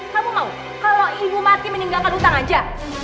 kamu mau kalau ibu mati meninggalkan utang aja